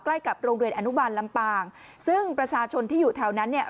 ใกล้กับโรงเรียนอนุบาลลำปางซึ่งประชาชนที่อยู่แถวนั้นเนี่ย